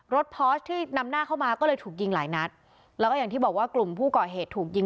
พอร์สที่นำหน้าเข้ามาก็เลยถูกยิงหลายนัดแล้วก็อย่างที่บอกว่ากลุ่มผู้ก่อเหตุถูกยิง